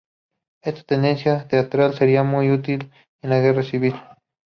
Esta tendencia teatral sería muy útil en la Guerra Civil.